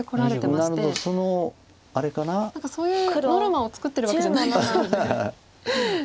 何かそういうノルマを作ってるわけじゃないですよね。